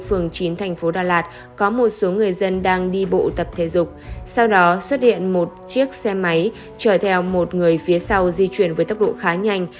phường chín thành phố đà lạt có một số người dân đang đi bộ tập thể dục sau đó xuất hiện một chiếc xe máy chở theo một người phía sau di chuyển với tốc độ khá nhanh